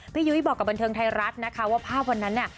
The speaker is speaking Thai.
ยุ้ยบอกกับบันเทิงไทยรัฐนะคะว่าภาพวันนั้นเนี่ย